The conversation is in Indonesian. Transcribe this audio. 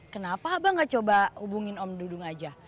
kenapa abang gak coba hubungin om dudung aja